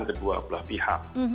ada dua belah pihak